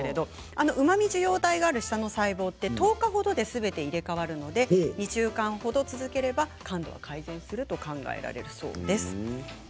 うまみ受容体、舌の細胞は１０日ほどですべて入れ替わるので２週間ほど続ければ改善すると考えられるそうです。